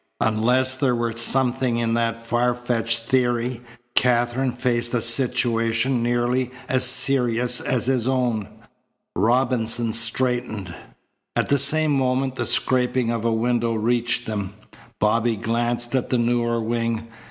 Unless there were something in that far fetched theory, Katherine faced a situation nearly as serious as his own. Robinson straightened. At the same moment the scraping of a window reached them. Bobby glanced at the newer wing.